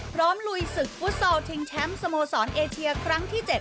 ลุยศึกฟุตซอลชิงแชมป์สโมสรเอเชียครั้งที่๗